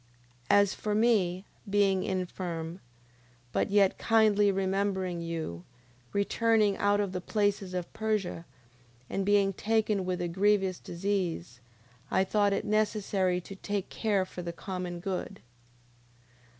9:21. As for me, being infirm, but yet kindly remembering you, returning out of the places of Persia, and being taken with a grievous disease, I thought it necessary to take care for the common good: 9:22.